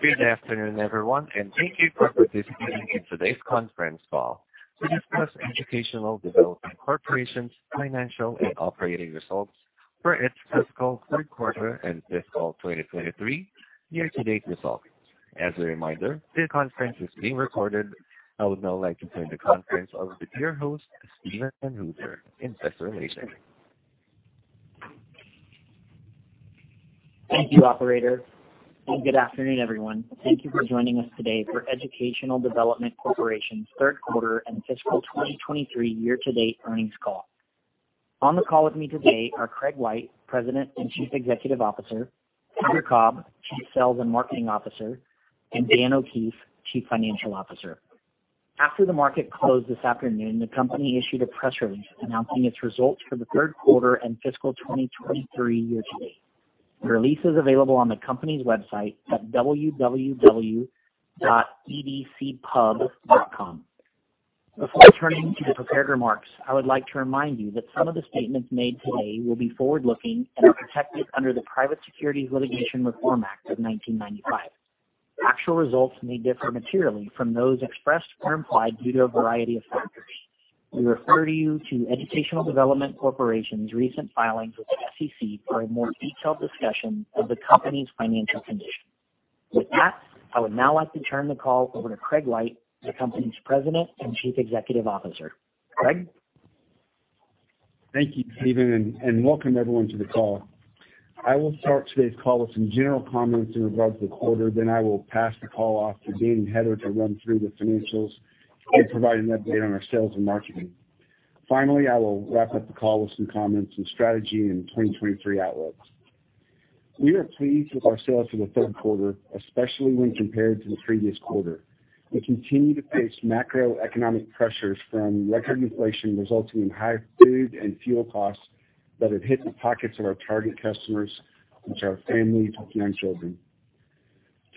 Good afternoon, everyone, and thank you for participating in today's Conference Call to discuss Educational Development Corporation's financial and operating results for its fiscal third quarter and fiscal 2023 year-to-date results. As a reminder, this conference is being recorded. I would now like to turn the conference over to your host, Steven Van Hooser. Thanks for listening. Thank you, operator, and good afternoon, everyone. Thank you for joining us today for Educational Development Corporation's third quarter and fiscal 2023 year-to-date earnings call. On the call with me today are Craig White, President and Chief Executive Officer, Heather Cobb, Chief Sales and Marketing Officer, and Dan O'Keefe, Chief Financial Officer. After the market closed this afternoon, the company issued a press release announcing its results for the third quarter and fiscal 2023 year-to-date. The release is available on the company's website at www.edcpub.com. Before turning to the prepared remarks, I would like to remind you that some of the statements made today will be forward-looking and are protected under the Private Securities Litigation Reform Act of 1995. Actual results may differ materially from those expressed or implied due to a variety of factors. We refer you to Educational Development Corporation's recent filings with the SEC for a more detailed discussion of the company's financial condition. With that, I would now like to turn the call over to Craig White, the company's President and Chief Executive Officer. Craig? Thank you, Steven, and welcome everyone to the call. I will start today's call with some general comments in regards to the quarter, then I will pass the call off to Dan and Heather to run through the financials and provide an update on our sales and marketing. Finally, I will wrap up the call with some comments on strategy and 2023 outlooks. We are pleased with our sales for the third quarter, especially when compared to the previous quarter. We continue to face macroeconomic pressures from record inflation resulting in higher food and fuel costs that have hit the pockets of our target customers, which are families with young children.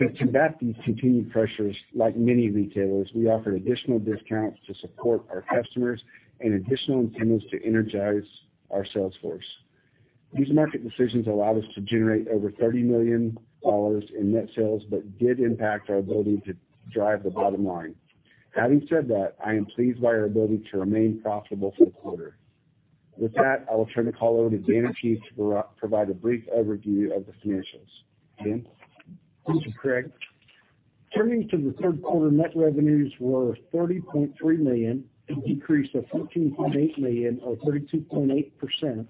To combat these continued pressures, like many retailers, we offered additional discounts to support our customers and additional incentives to energize our sales force. These market decisions allowed us to generate over $30 million in net sales but did impact our ability to drive the bottom line. Having said that, I am pleased by our ability to remain profitable for the quarter. With that, I will turn the call over to Dan O'Keefe to provide a brief overview of the financials. Dan? Thank you, Craig. Turning to the third quarter, net revenues were $30.3 million, a decrease of $14.8 million or 32.8%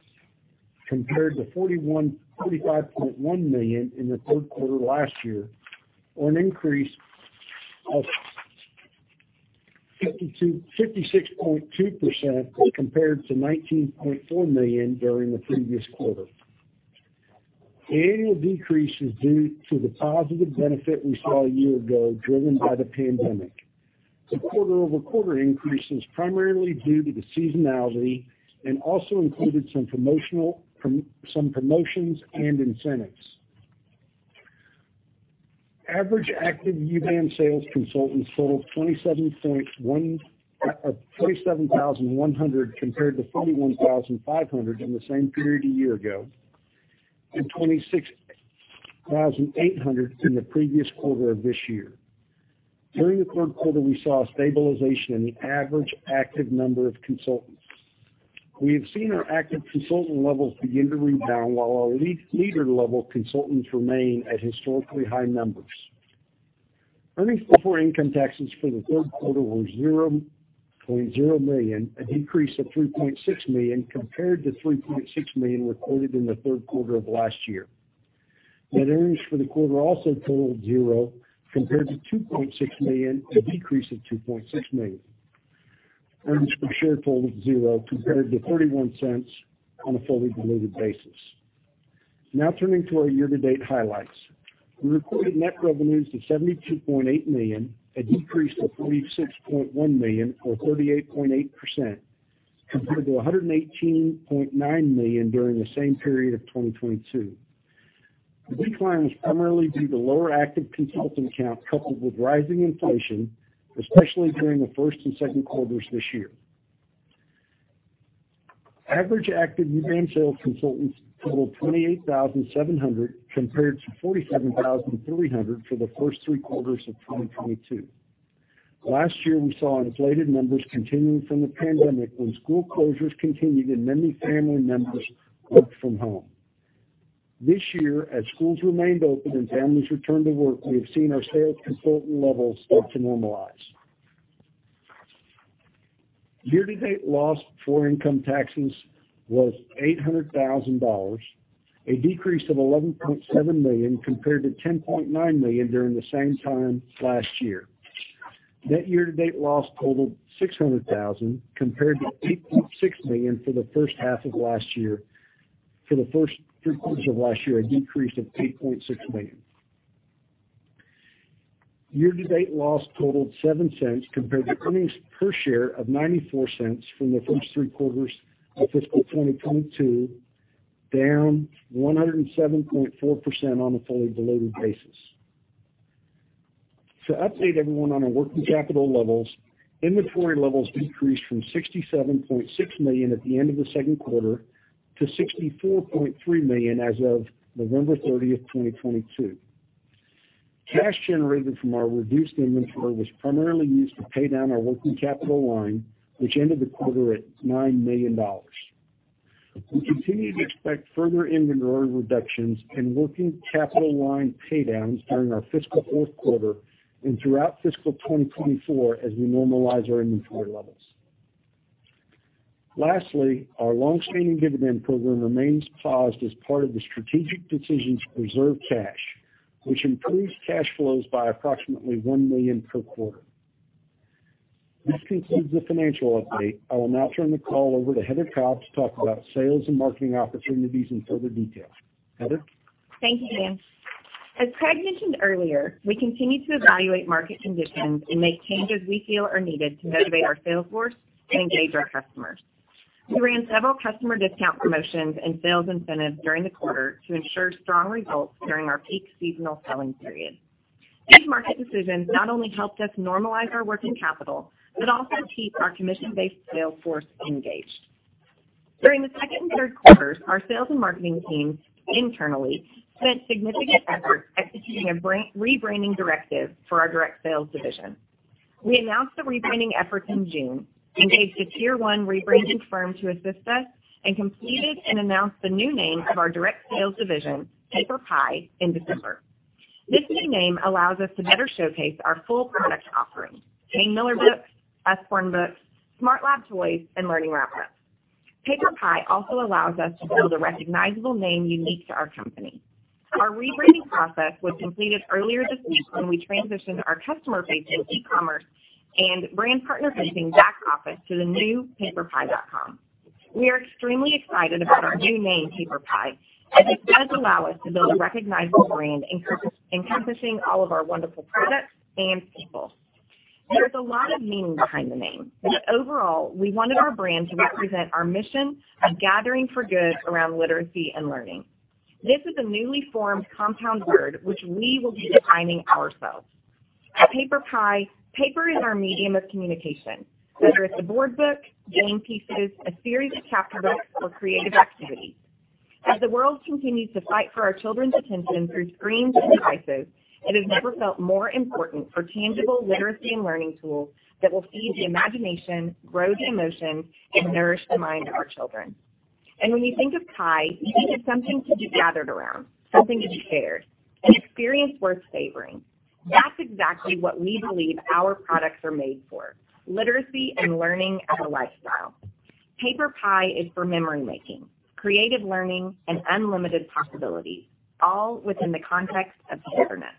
compared to $45.1 million in the third quarter last year, or an increase of 56.2% compared to $19.4 million during the previous quarter. The annual decrease is due to the positive benefit we saw a year ago driven by the pandemic. The quarter-over-quarter increase is primarily due to the seasonality and also included some promotions and incentives. Average active UBAM sales consultants totaled 27,100 compared to 41,500 in the same period a year ago, and 26,800 in the previous quarter of this year. During the third quarter, we saw a stabilization in the average active number of consultants. We have seen our active consultant levels begin to rebound while our leader level consultants remain at historically high numbers. Earnings before income taxes for the third quarter were $0.0 million, a decrease of $3.6 million compared to $3.6 million recorded in the third quarter of last year. Net earnings for the quarter also totaled $0 compared to $2.6 million, a decrease of $2.6 million. Earnings per share totaled zero compared to $0.31 on a fully diluted basis. Turning to our year-to-date highlights. We recorded net revenues of $72.8 million, a decrease of $46.1 million or 38.8% compared to $118.9 million during the same period of 2022. The decline was primarily due to lower active consultant count coupled with rising inflation, especially during the first and second quarters this year. Average active UBAM sales consultants totaled 28,700 compared to 47,300 for the first three quarters of 2022. Last year, we saw inflated numbers continuing from the pandemic when school closures continued and many family members worked from home. This year, as schools remained open and families returned to work, we have seen our sales consultant levels start to normalize. Year-to-date loss before income taxes was $800,000, a decrease of $11.7 million compared to $10.9 million during the same time last year. Net year-to-date loss totaled $600,000 compared to $8.6 million for the first half of last year. For the first three quarters of last year, a decrease of $8.6 million. Year-to-date loss totaled $0.07 compared to earnings per share of $0.94 from the first three quarters of fiscal 2022, down 107.4% on a fully diluted basis. To update everyone on our working capital levels, inventory levels decreased from $67.6 million at the end of the second quarter to $64.3 million as of November 30th, 2022. Cash generated from our reduced inventory was primarily used to pay down our working capital line, which ended the quarter at $9 million. We continue to expect further inventory reductions and working capital line pay downs during our fiscal fourth quarter and throughout fiscal 2024 as we normalize our inventory levels. Our long-standing dividend program remains paused as part of the strategic decision to preserve cash, which improves cash flows by approximately $1 million per quarter. This concludes the financial update. I will now turn the call over to Heather Cobb to talk about sales and marketing opportunities in further detail. Heather? Thank you, Dan. As Craig mentioned earlier, we continue to evaluate market conditions and make changes we feel are needed to motivate our sales force and engage our customers. We ran several customer discount promotions and sales incentives during the quarter to ensure strong results during our peak seasonal selling period. These market decisions not only helped us normalize our working capital, but also keep our commission-based sales force engaged. During the second and third quarters, our sales and marketing teams internally spent significant effort executing a rebranding directive for our direct sales division. We announced the rebranding efforts in June, engaged a tier one rebranding firm to assist us, and completed and announced the new name of our direct sales division, PaperPie, in December. This new name allows us to better showcase our full product offering, Kane Miller Books, Usborne Books, SmartLab Toys, and Learning Wrap-Ups. PaperPie also allows us to build a recognizable name unique to our company. Our rebranding process was completed earlier this week when we transitioned our customer-facing e-commerce and brand partner-facing back office to the new paperpie.com. We are extremely excited about our new name, PaperPie, as it does allow us to build a recognizable brand encompassing all of our wonderful products and people. There's a lot of meaning behind the name, but overall, we wanted our brand to represent our mission of gathering for good around literacy and learning. This is a newly formed compound word which we will be defining ourselves. At PaperPie, paper is our medium of communication, whether it's a board book, game pieces, a series of chapter books or creative activities. As the world continues to fight for our children's attention through screens and devices, it has never felt more important for tangible literacy and learning tools that will feed the imagination, growth, emotion, and nourish the mind of our children. When you think of pie, you think of something to be gathered around, something to be shared, an experience worth savoring. That's exactly what we believe our products are made for, literacy and learning as a lifestyle. PaperPie is for memory-making, creative learning, and unlimited possibilities, all within the context of togetherness.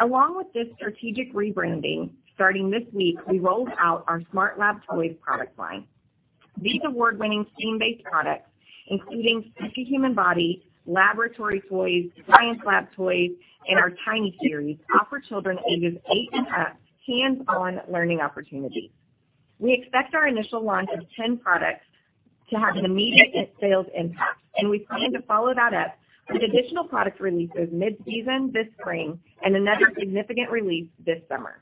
Along with this strategic rebranding, starting this week, we rolled out our SmartLab Toys product line. These award-winning STEAM-based products, including the Human Body, laboratory toys, science lab toys, and our Tiny series offer children ages eight and up hands-on learning opportunities. We expect our initial launch of 10 products to have an immediate sales impact. We plan to follow that up with additional product releases mid-season, this spring, and another significant release this summer.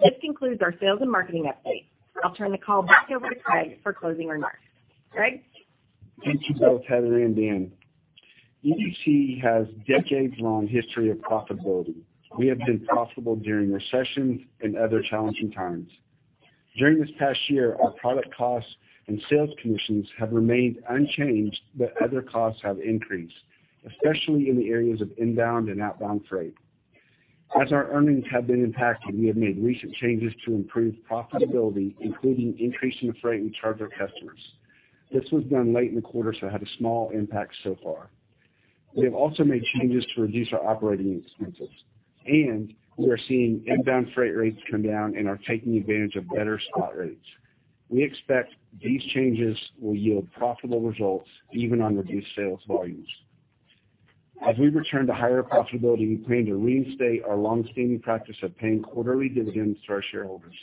This concludes our sales and marketing update. I'll turn the call back over to Craig for closing remarks. Craig? Thank you both, Heather and Dan. EDC has decades-long history of profitability. We have been profitable during recessions and other challenging times. During this past year, our product costs and sales commissions have remained unchanged, but other costs have increased, especially in the areas of inbound and outbound freight. Our earnings have been impacted, we have made recent changes to improve profitability, including increasing the freight we charge our customers. This was done late in the quarter, so had a small impact so far. We have also made changes to reduce our operating expenses, and we are seeing inbound freight rates come down and are taking advantage of better spot rates. We expect these changes will yield profitable results even on reduced sales volumes. We return to higher profitability, we plan to reinstate our long-standing practice of paying quarterly dividends to our shareholders.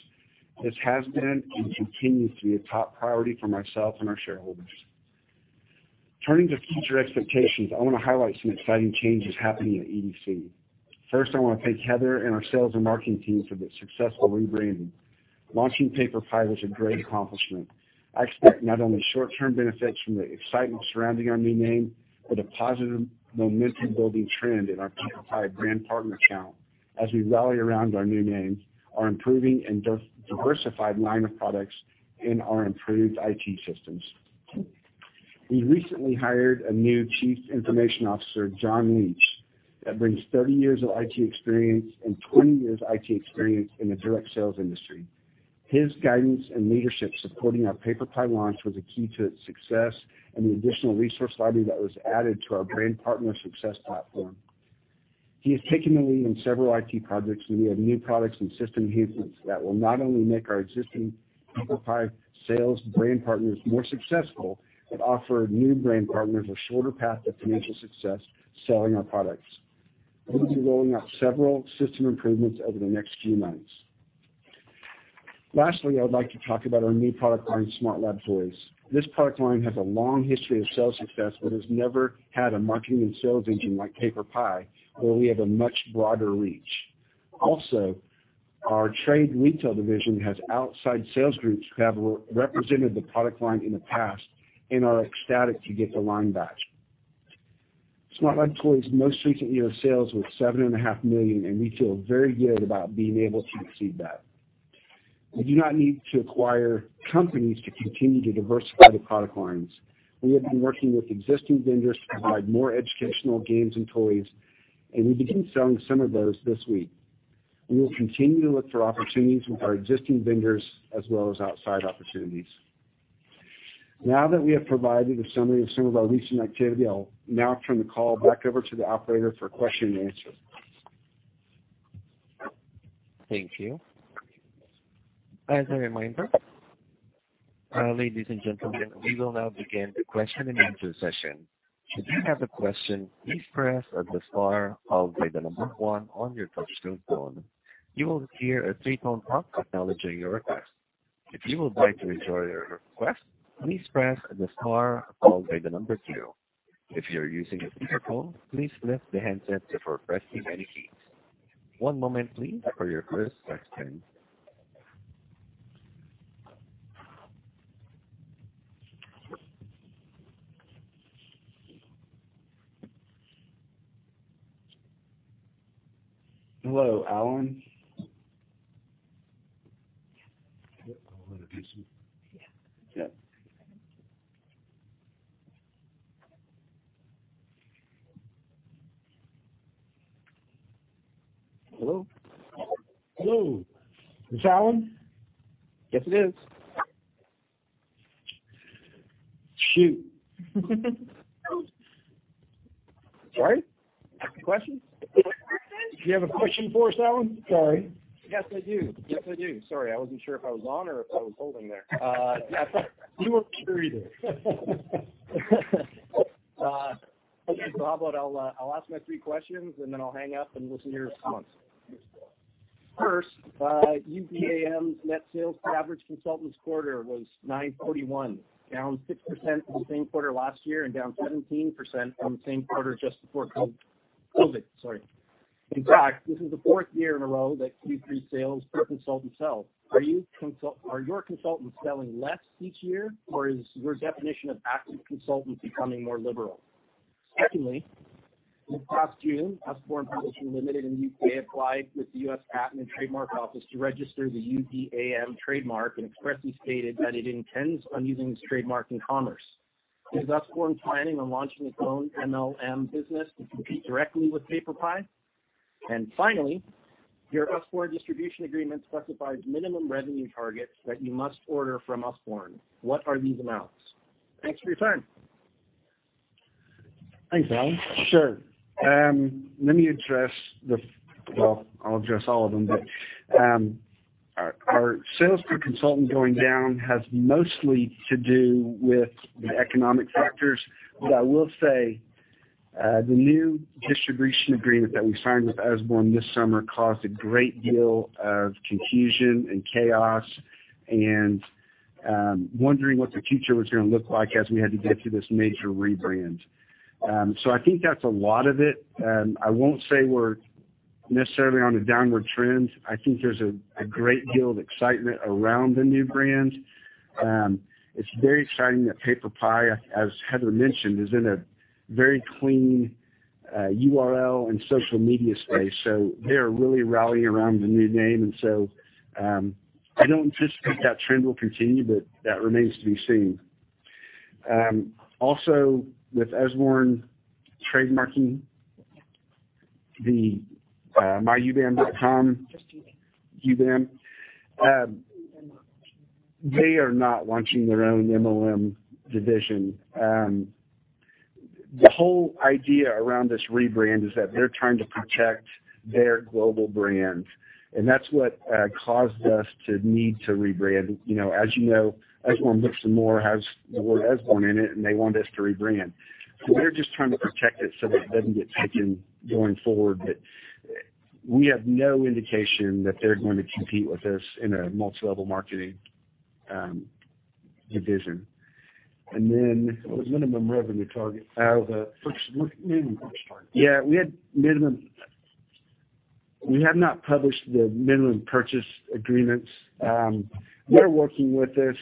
This has been and continues to be a top priority for myself and our shareholders. Turning to future expectations, I wanna highlight some exciting changes happening at EDC. First, I wanna thank Heather and our sales and marketing team for the successful rebranding. Launching PaperPie was a great accomplishment. I expect not only short-term benefits from the excitement surrounding our new name, but a positive momentum-building trend in our PaperPie brand partner channel as we rally around our new name, our improving and diversified line of products, and our improved IT systems. We recently hired a new chief information officer, John Leach, that brings 30 years of IT experience and 20 years IT experience in the direct sales industry. His guidance and leadership supporting our PaperPie launch was a key to its success and the additional resource library that was added to our brand partner success platform. He has taken the lead on several IT projects, and we have new products and system enhancements that will not only make our existing PaperPie sales brand partners more successful, but offer new brand partners a shorter path to financial success selling our products. We'll be rolling out several system improvements over the next few months. Lastly, I would like to talk about our new product line, SmartLab Toys. This product line has a long history of sales success, but has never had a marketing and sales engine like PaperPie, where we have a much broader reach. Our trade retail division has outside sales groups who have re-represented the product line in the past and are ecstatic to get the line back. SmartLab Toys most recent year of sales was $7.5 million, and we feel very good about being able to exceed that. We do not need to acquire companies to continue to diversify the product lines. We have been working with existing vendors to provide more educational games and toys, and we begin selling some of those this week. We will continue to look for opportunities with our existing vendors as well as outside opportunities. Now that we have provided a summary of some of our recent activity, I'll now turn the call back over to the operator for question and answer. Thank you. As a reminder, ladies and gentlemen, we will now begin the question-and-answer session. If you have a question, please press the star followed by one on your touch-tone phone. You will hear a three-tone pop acknowledging your request. If you would like to withdraw your request, please press the star followed by two. If you're using a speakerphone, please lift the handset before pressing any keys. One moment please for your first question. Hello, Alan. Yeah. Yeah. Hello? Hello. This Alan? Yes, it is. Shoot. Sorry? Questions? Do you have a question for us, Alan? Sorry. Yes, I do. Sorry, I wasn't sure if I was on or if I was holding there. We weren't either. Okay. How about I'll ask my three questions, and then I'll hang up and listen to your response. UBAM's net sales to average consultants quarter was $941, down 6% from the same quarter last year and down 17% from the same quarter just before COVID. In fact, this is the fourth year in a row that Q3 sales per consultant sell. Are your consultants selling less each year, or is your definition of active consultants becoming more liberal? This past June, Usborne Publishing Limited in U.K. applied with the U.S. Patent and Trademark Office to register the UBAM trademark and expressly stated that it intends on using this trademark in commerce. Is Usborne planning on launching its own MLM business to compete directly with PaperPie? Finally, your Usborne distribution agreement specifies minimum revenue targets that you must order from Usborne. What are these amounts? Thanks for your time. Thanks, Alan. Sure. Well, I'll address all of them, but our sales per consultant going down has mostly to do with the economic factors. I will say, the new distribution agreement that we signed with Usborne this summer caused a great deal of confusion and chaos and wondering what the future was gonna look like as we had to get through this major rebrand. I think that's a lot of it. I won't say we're necessarily on a downward trend. I think there's a great deal of excitement around the new brand. It's very exciting that PaperPie, as Heather mentioned, is in a very clean URL and social media space, so they are really rallying around the new name. I don't anticipate that trend will continue, but that remains to be seen. Also with Usborne trademarking the myubam.com. Just UBAM. UBAM, they are not launching their own MLM division. The whole idea around this rebrand is that they're trying to protect their global brand, and that's what caused us to need to rebrand. You know, as you know, Usborne Books & More has the word Usborne in it, and they want us to rebrand. They're just trying to protect it so that it doesn't get taken going forward. We have no indication that they're going to compete with us in a multi-level marketing division. What was minimum revenue target? Oh. Minimum purchase target. Yeah, we have not published the minimum purchase agreements. They're working with us.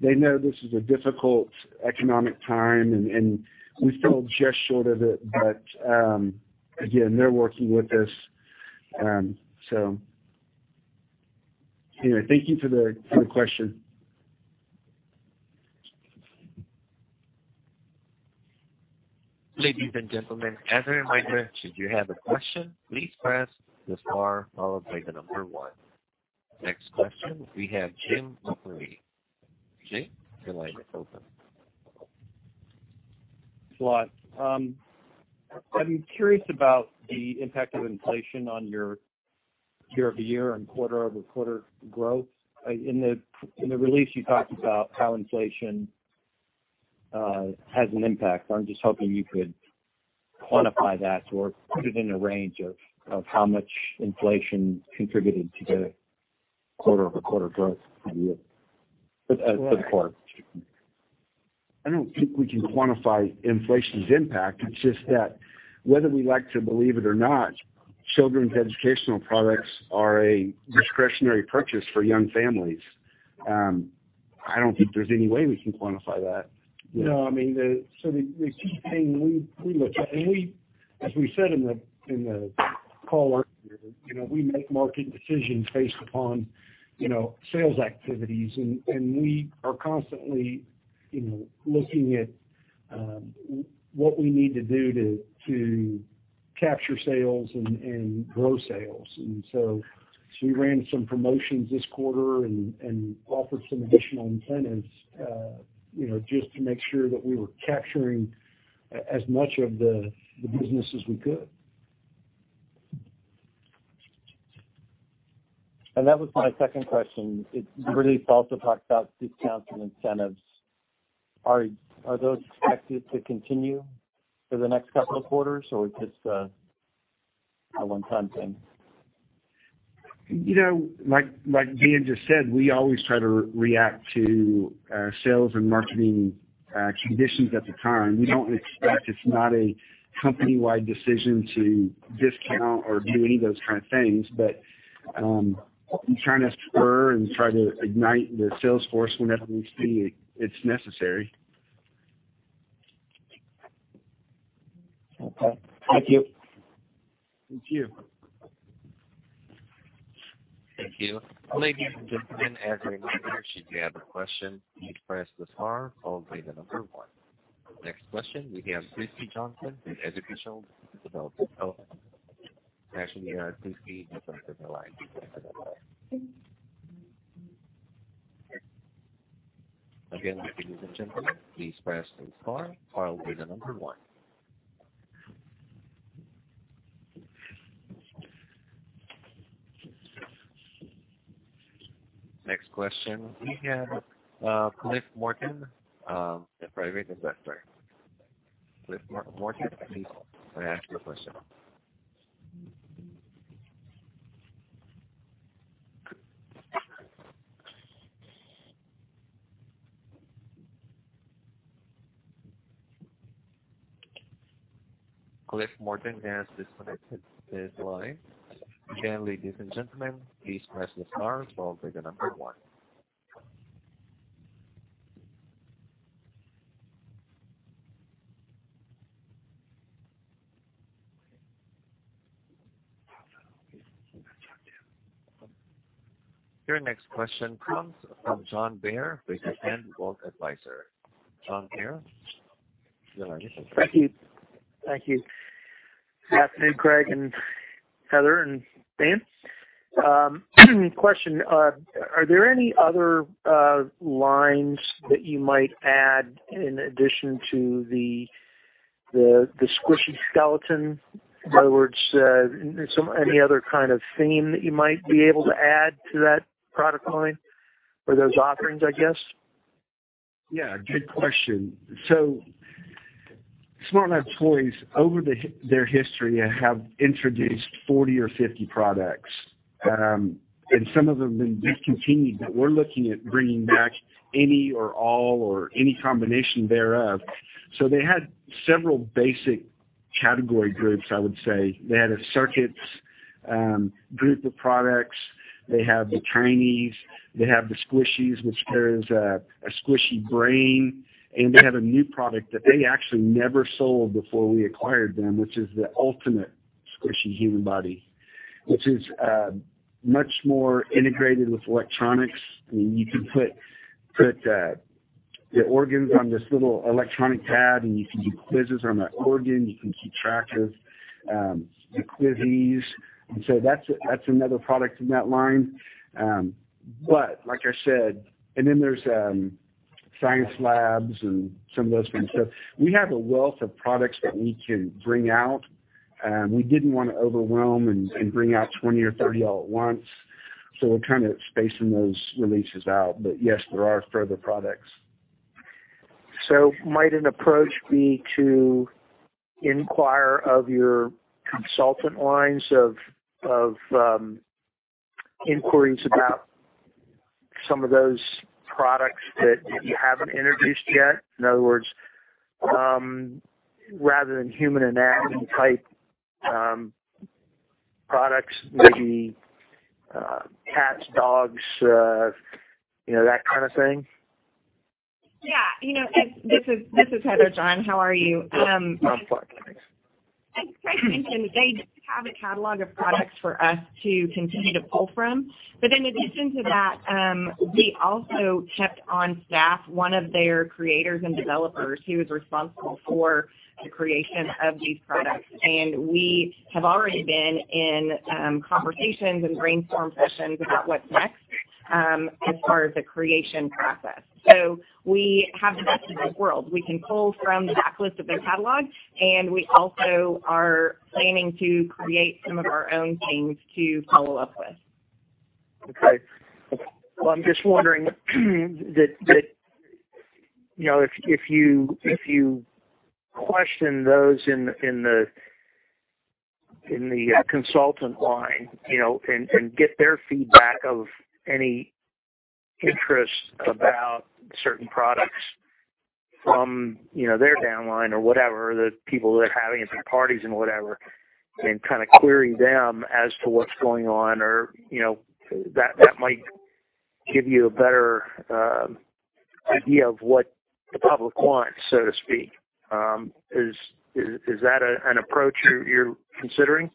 They know this is a difficult economic time and we fell just short of it. Again, they're working with us. Anyway, thank you for the question. Ladies and gentlemen, as a reminder, should you have a question, please press the star followed by one. Next question, we have James McCurley. Jim, your line is open. Thanks a lot. I'm curious about the impact of inflation on your year-over-year and quarter-over-quarter growth. In the release, you talked about how inflation. Has an impact. I'm just hoping you could quantify that or put it in a range of how much inflation contributed to the quarter-over-quarter growth for you for the quarter? I don't think we can quantify inflation's impact. It's just that whether we like to believe it or not, children's educational products are a discretionary purchase for young families. I don't think there's any way we can quantify that. I mean, the key thing we look at as we said in the call earlier, you know, we make marketing decisions based upon, you know, sales activities, and we are constantly, you know, looking at what we need to do to capture sales and grow sales. We ran some promotions this quarter and offered some additional incentives, you know, just to make sure that we were capturing as much of the business as we could. That was my second question. It's really also talked about discounts and incentives. Are those expected to continue for the next couple of quarters, or is this a one-time thing? You know, like Dan just said, we always try to react to sales and marketing conditions at the time. We don't expect it's not a company-wide decision to discount or do any of those kind of things. We try to spur and try to ignite the sales force whenever we see it's necessary. Okay. Thank you. Thank you. Thank you. Ladies and gentlemen, as a reminder, if you have a question, you press star followed by one. Next question, we have Kristy Johnson with Educational Development. Actually, Kristy has left the line. Again, ladies and gentlemen, please press star followed by one. Next question, we have Clifton Morton, private investor. Cliff Morton, please ask your question. Clifton Morton has disconnected his line. Again, ladies and gentlemen, please press the star followed by one. Your next question comes from John Baer with PennMoore Investment Advisors. John Baer, you may ask your first question. Thank you. Thank you. Good afternoon, Craig and Heather and Dan. Question. Are there any other lines that you might add in addition to the Squishy Skeleton? In other words, any other kind of theme that you might be able to add to that product line or those offerings, I guess? Yeah, good question. SmartLab Toys over their history have introduced 40 or 50 products, and some of them been discontinued, but we're looking at bringing back any or all or any combination thereof. They had several basic category groups, I would say. They had a circuits group of products. They have the trainees. They have The Squishys, which there is a Squishy brain, and they have a new product that they actually never sold before we acquired them, which is the Ultimate Squishy Human Body, which is much more integrated with electronics. I mean, you can put the organs on this little electronic pad, and you can do quizzes on that organ. You can keep track of your queries. That's another product in that line. Like I said, then there's science labs and some of those things. We have a wealth of products that we can bring out, we didn't wanna overwhelm and bring out 20 or 30 all at once. We're kind of spacing those releases out. Yes, there are further products. Might an approach be to inquire of your consultant lines of inquiries about some of those products that you haven't introduced yet? In other words, rather than human anatomy type products, maybe cats, dogs, you know, that kind of thing. Yeah. You know, this is Heather, John. How are you? I'm fine, thanks. As Craig mentioned, they do have a catalog of products for us to continue to pull from. In addition to that, we also kept on staff one of their creators and developers who is responsible for the creation of these products. We have already been in conversations and brainstorm sessions about what's next as far as the creation process. We have the best of both worlds. We can pull from the back list of their catalog, and we also are planning to create some of our own things to follow up with. Okay. Well, I'm just wondering that, you know, if you question those in the consultant line, you know, and get their feedback of any interest about certain products from, you know, their downline or whatever the people they're having at their parties and whatever, and kinda querying them as to what's going on or, you know, that might give you a better idea of what the public wants, so to speak. Is that an approach you're considering?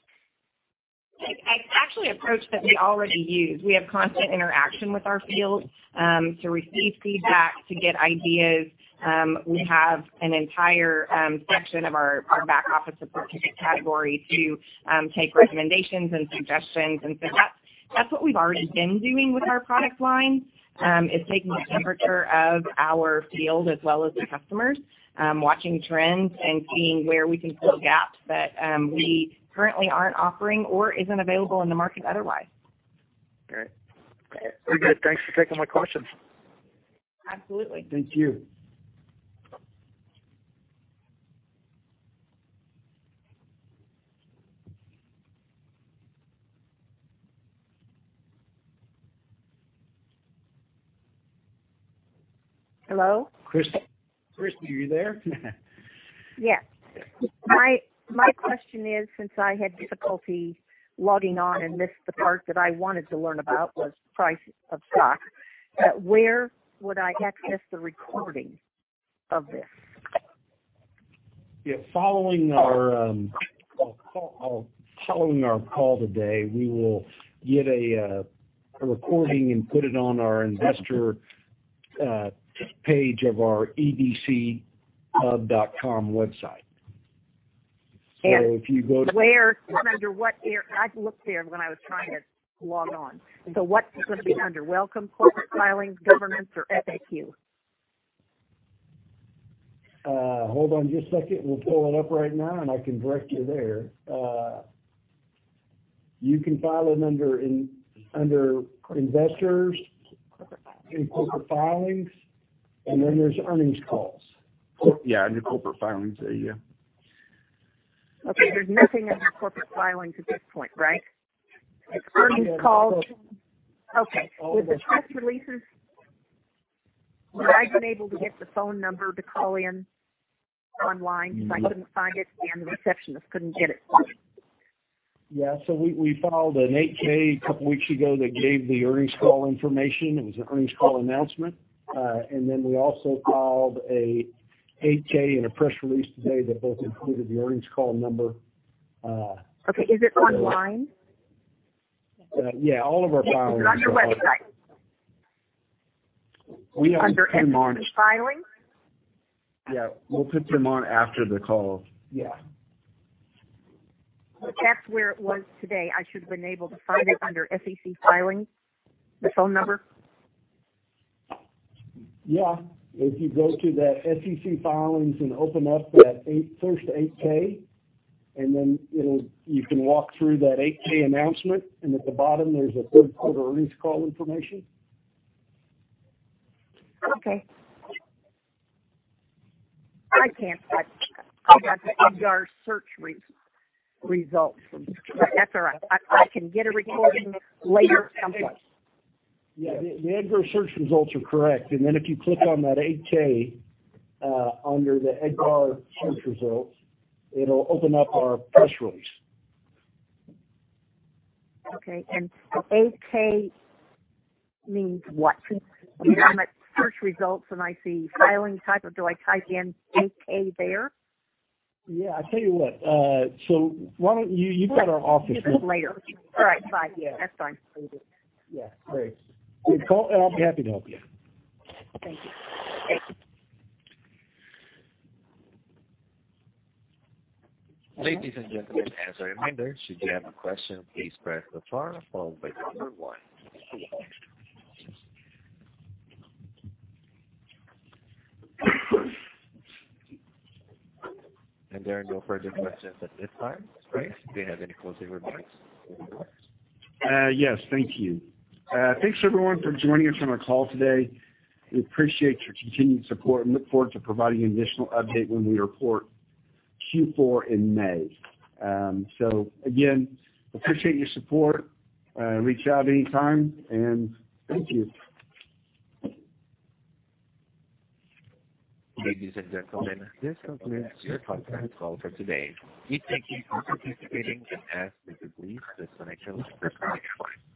It's actually approach that we already use. We have constant interaction with our field to receive feedback, to get ideas. We have an entire section of our back office support ticket category to take recommendations and suggestions. That's what we've already been doing with our product line, is taking the temperature of our field as well as the customers, watching trends and seeing where we can fill gaps that we currently aren't offering or isn't available in the market otherwise. Great. Very good. Thanks for taking my questions. Absolutely. Thank you. Hello? Kristy, are you there? Yes. My question is, since I had difficulty logging on and missed the part that I wanted to learn about was price of stock, where would I access the recording of this? Yeah. Following our call today, we will get a recording and put it on our investor page of our edcpub.com website. If you go to. Under what area? I looked there when I was trying to log on. What's it going to be under? Welcome, corporate filings, governance or FAQ? Hold on just a second. We'll pull it up right now, and I can direct you there. You can find it under investors, in corporate filings, and then there's earnings calls. Yeah, under corporate filings. Yeah, yeah. Okay. There's nothing under corporate filings at this point, right? It's earnings calls. Yeah, corporate. With the press releases, would I have been able to get the phone number to call in online because I couldn't find it and the receptionist couldn't get it for me? Yeah. We filed a Form 8-K a couple weeks ago that gave the earnings call information. It was an earnings call announcement. We also filed a Form 8-K and a press release today that both included the earnings call number. Okay. Is it online? Yeah. All of our filings are online. Is it on your website? We haven't put them on it. Under earnings filings? Yeah. We'll put them on after the call. Yeah. That's where it was today. I should have been able to find it under SEC filings, the phone number? Yeah. If you go to that SEC filings and open up that first Form 8-K, and then you can walk through that Form 8-K announcement, and at the bottom there's a third quarter earnings call information. Okay. I can't find. I got the EDGAR search results from. That's all right. I can get a recording later someplace. Yeah. The EDGAR search results are correct. If you click on that Form 8-K, under the EDGAR search results, it'll open up our press release. Okay. Form 8-K means what? When I'm at search results and I see filing type, do I type in Form 8-K there? Yeah. I tell you what. You've got our office number. Do this later. All right. Bye. Yeah, that's fine. Yeah, great. You call, and I'll be happy to help you. Thank you. Ladies and gentlemen, as a reminder, should you have a question, please press star followed by one. There are no further questions at this time. Craig, do you have any closing remarks? Yes, thank you. Thanks everyone for joining us on our call today. We appreciate your continued support and look forward to providing you additional update when we report Q4 in May. Again, appreciate your support. Reach out anytime, and thank you. Ladies and gentlemen, this concludes your conference call for today. We thank you for participating and ask that you please disconnect your lines at this time.